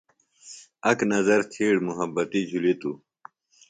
اک نظر تِھیڑ محبتی جُھلیۡ توۡ۔